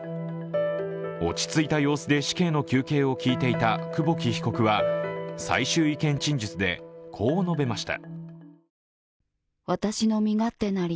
落ち着いた様子で死刑の求刑を聞いていた久保木被告は最終意見陳述でこう述べました。